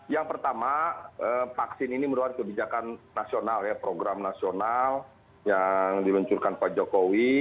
yang pertama vaksin ini merupakan kebijakan nasional ya program nasional yang diluncurkan pak jokowi